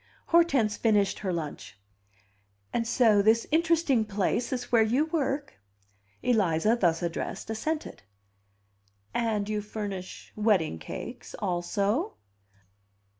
Hortense finished her lunch. "And so this interesting place is where you work?" Eliza, thus addressed, assented. "And you furnish wedding cakes also?"